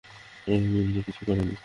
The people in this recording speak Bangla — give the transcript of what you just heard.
এমিল, যে কিছুই করেনি।